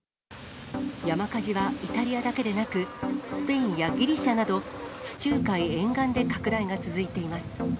山火事はイタリアだけでなく、スペインやギリシャなど、地中海沿岸で拡大が続いています。